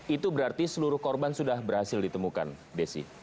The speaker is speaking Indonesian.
itu berarti seluruh korban sudah berhasil ditemukan desi